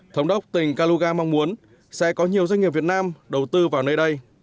thống đốc tỉnh kaluga mong muốn sẽ có nhiều doanh nghiệp việt nam đầu tư vào nơi đây